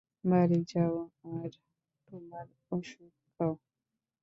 বাড়ি যাও আর তোমার ওষুধ খাও।